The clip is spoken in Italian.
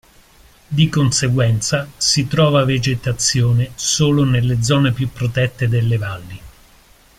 Di conseguenza, si trova vegetazione solo nelle zone più protette delle valli.